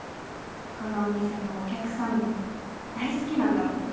このお店もお客さんも大好きなんだもん。